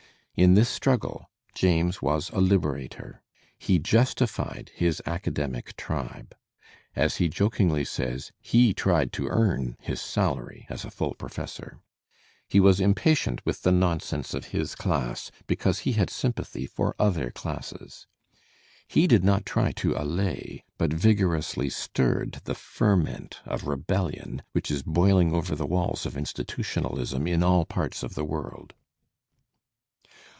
In this struggle James was a liberator. He justified his academic tribe. As he jokingly says, he tried to earn his salary as a full professor. He was impatient with the nonsense of his class because he had sympathy for other classes. He did not try to allay, but vigorously stirred the ferment of rebellion which is boiling over the walls of institutionalism in all parts of the world.